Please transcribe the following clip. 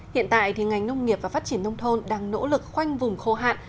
hiện tại ngành nông nghiệp và phát triển nông thôn đang nỗ lực khoanh vùng khô hạn